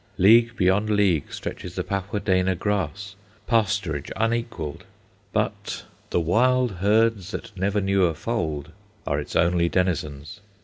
League beyond league stretches the "Pajadena grass," pasturage unequalled; but "the wild herds that never knew a fold" are its only denizens.